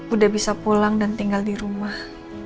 udah bisa pulang dan tinggal di rumah